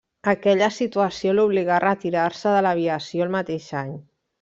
Aquella situació l'obligà a retirar-se de l'aviació el mateix any.